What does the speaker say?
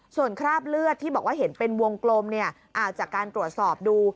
ส่วนคราบเลือดที่บอกว่าเห็นเป็นวงกลมจากการตรวจสอบดู